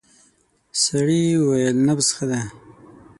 سړی وویل نبض ښه دی.